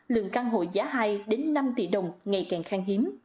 lượng căn hộ giá hai năm tỷ đồng ngày càng khang hiếm